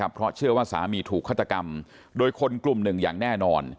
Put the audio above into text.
เพราะเชื่อว่าสามีถูกฆาตกรรมโดยคนกลุ่มหนึ่งอย่างแน่นอน